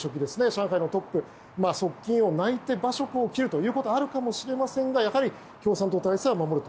上海のトップ、側近を泣いて馬謖を斬るということがあるかもしれませんが共産党体制は守る。